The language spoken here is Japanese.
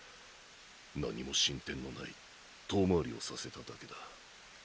何も進展のない遠回りをさせただけだ。